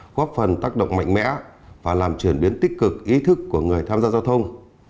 góp phần tác động mạnh mẽ và làm chuyển biến tích cực ý thức của người tham gia giao thông